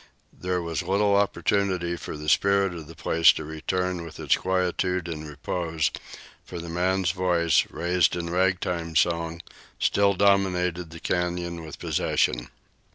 There was little opportunity for the spirit of the place to return with its quietude and repose, for the man's voice, raised in ragtime song, still dominated the canyon with possession.